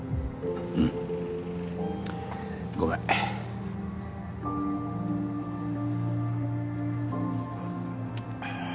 うんごめんあ